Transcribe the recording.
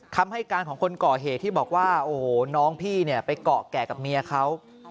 คำให้การของคนก่อเหตุที่บอกว่าโอ้โหน้องพี่เนี่ยไปเกาะแก่กับเมียเขา